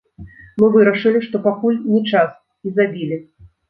Мы вырашылі, што пакуль не час, і забілі.